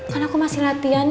kan aku masih latihan